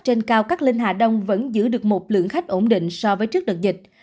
trên cao các linh hạ đông vẫn giữ được một lượng khách ổn định so với trước đợt dịch